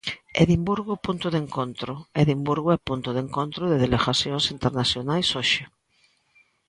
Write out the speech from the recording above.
Edimburgo punto de encontro Edimburgo é punto de encontro de delegacións internacionais hoxe.